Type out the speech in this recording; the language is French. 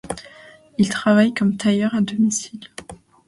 Ils travaillent comme tailleurs à domicile.